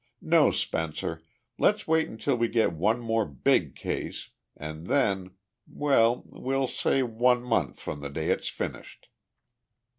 No, Spencer, let's wait until we get one more BIG case, and then well, we'll say one month from the day it's finished."